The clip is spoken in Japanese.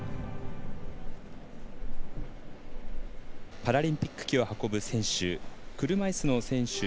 パラリンピック旗を運ぶ選手車いすの選手